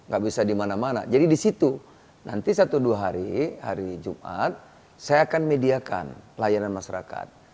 gak bisa dimana mana jadi di situ nanti satu dua hari hari jumat saya akan mediakan layanan masyarakat